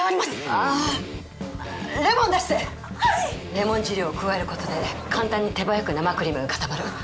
レモン汁を加える事で簡単に手早く生クリームが固まるわ。